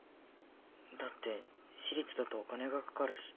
だって私立だとお金がかかるし。